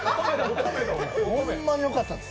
ほんまによかったです。